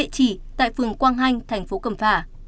trường quang hanh thành phố cẩm phả